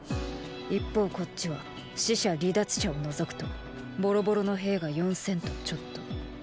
一方こっちは死者・離脱者を除くとボロボロの兵が四千とちょっとーー。